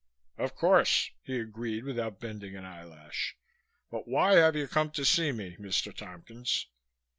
"Of course," he agreed without bending an eyelash. "But why have you come to see me, Mr. Tompkins?"